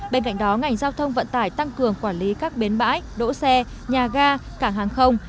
bên cạnh đó ngành giao thông vận tải tăng cường quản lý các bến bãi đỗ xe nhà ga cảng hàng không